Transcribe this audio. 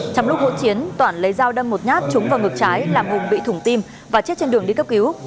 trong lúc hỗn chiến toản lấy dao đâm một nhát trúng vào ngực trái làm hùng bị thủng tim và chết trên đường đi cấp cứu